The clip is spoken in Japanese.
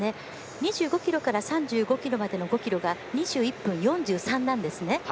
２５ｋｍから３５ｋｍまでの５ｋｍが２１分４３なんですね。